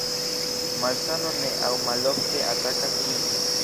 Malsano ne aŭ malofte atakas ĝin.